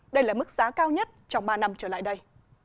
đây là mức giá cao nhất trong ba năm trở lại đây